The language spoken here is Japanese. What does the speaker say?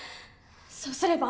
そうすれば。